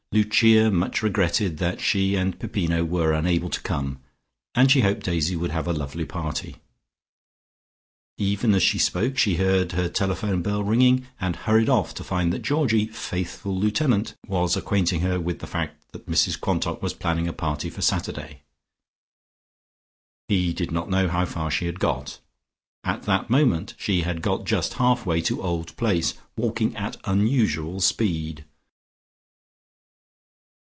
Lucia much regretted that she and Peppino were unable to come, and she hoped Daisy would have a lovely party. Even as she spoke, she heard her telephone bell ringing, and hurried off to find that Georgie, faithful lieutenant, was acquainting her with the fact that Mrs Quantock was planning a party for Saturday; he did not know how far she had got. At that moment she had got just half way to Old Place, walking at unusual speed.